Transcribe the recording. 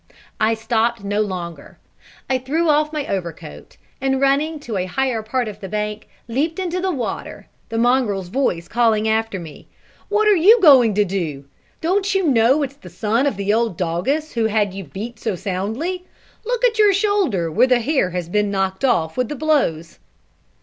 I stopped no longer. I threw off my over coat, and running to a higher part of the bank, leapt into the water, the mongrel's voice calling after me: "What are you going to do? Don't you know its the son of the old doggess who had you beat so soundly? Look at your shoulder, where the hair has been all knocked off with the blows?"